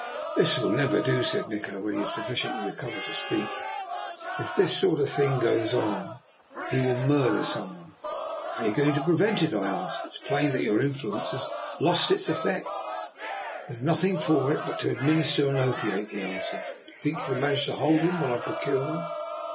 " This will never do," said Nikola when he had sufficiently recovered to speak; "if this sort of thing goes on, he will murder some one. " But how are you going to prevent it? " I asked. " It is plain that your influence has lost its eflfect.*' " There is nothing for it but to administer an opiate/' he answered. " Do you think DR. NIKOLA'S EXPERIMENT. 293 you can manage to hold him while I procure one?